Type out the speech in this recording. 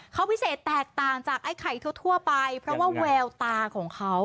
เขาพิเศษแตกต่างจากไอ้ไข่ทั่วไปเพราะว่าแววตาของเขา